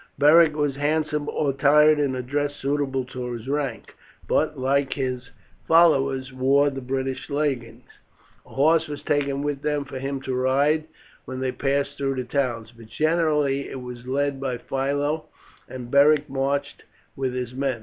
Beric was handsomely attired in a dress suitable to his rank, but, like his followers, wore the British leggings. A horse was taken with them for him to ride when they passed through towns, but generally it was led by Philo, and Beric marched with his men.